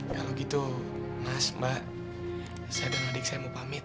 kalau gitu mas mbak saya dan adik saya mau pamit